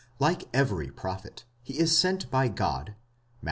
Like every prophet, he is sent by God (Matt.